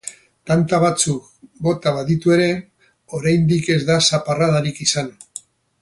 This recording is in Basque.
Tanta batzuk bota baditu ere, oraindik ez da zaparradarik izan.